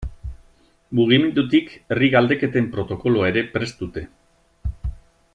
Mugimendutik herri galdeketen protokoloa ere prest dute.